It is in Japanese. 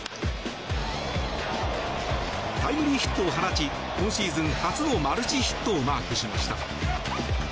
タイムリーヒットを放ち今シーズン初のマルチヒットをマークしました。